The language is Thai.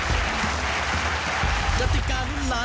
หรือเป็นผู้โชคดีจากทางไหน